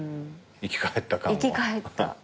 生き返った感も？